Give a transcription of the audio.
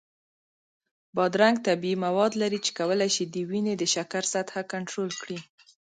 بادرنګ طبیعي مواد لري چې کولی شي د وینې د شکر سطحه کنټرول کړي.